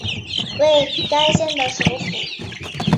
为该县的首府。